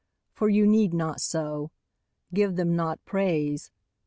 For you need not so. Give them not praise.